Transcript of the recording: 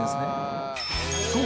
［そう。